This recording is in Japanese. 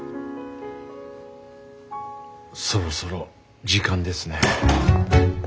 そろそろ時間ですね。